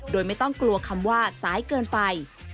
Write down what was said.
โดยไม่ต้องกลัวคำว่าสายเกินไป